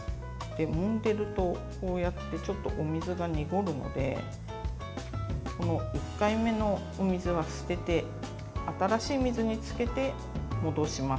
もんでいると、こうやってちょっとお水がにごるので１回目のお水は捨てて新しい水につけて戻します。